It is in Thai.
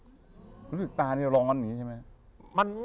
รู้สึกตานี่ร้อนอย่างนี้ใช่ไหม